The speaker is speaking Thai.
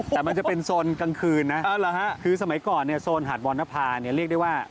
แต่มันจะเป็นโซนกลางคืนนะคือสมัยก่อนโซนหาดวอนภาพเรียกได้ว่า